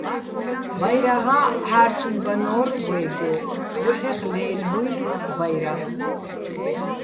ბაჲრაღა́ ჺა́რჭიჼ ბანო́რ ვაჲგო, ბუჰ̦ეხ ლე́ლბუჲნი ბაჲრაღ.